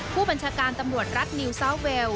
ผู้บัญชาการตำรวจรัฐนิวซาวเวล